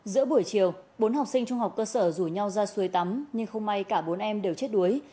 giữa buổi chiều bốn học sinh trung học cơ sở rủ nhau ra suối tắm nhưng không may cả bốn em đều chết đuối